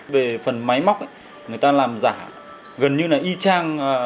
về phần máy móc người ta làm giả gần như là y trang